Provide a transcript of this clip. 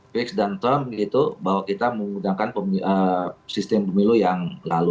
fix dan term gitu bahwa kita menggunakan sistem pemilu yang lalu